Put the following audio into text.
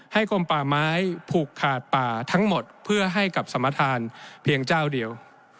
กลมป่าไม้ผูกขาดป่าทั้งหมดเพื่อให้กับสมทานเพียงเจ้าเดียว